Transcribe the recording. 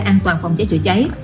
an toàn phòng cháy chữa cháy